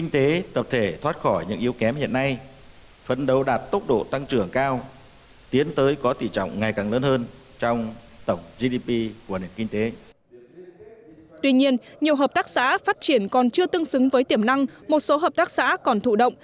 tuy nhiên nhiều hợp tác xã phát triển còn chưa tương xứng với tiềm năng một số hợp tác xã còn thụ động